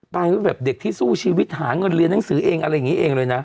ว่าแบบเด็กที่สู้ชีวิตหาเงินเรียนหนังสือเองอะไรอย่างนี้เองเลยนะ